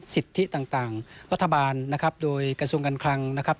สิทธิต่างรัฐบาลนะครับโดยกระทรวงการคลังนะครับ